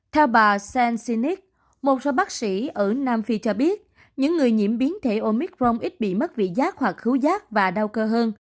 theo bà sansinic một số bác sĩ ở nam phi cho biết những người nhiễm biến thể omicron ít bị mất vị giác hoặc khứ giác và đau cơ hơn